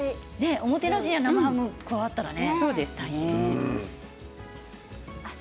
おもてなしに生ハムを加えたらね。